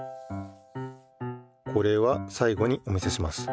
これはさい後にお見せします。